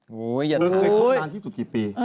เคยครอบนานที่สุดกี่ปีโอ้โฮ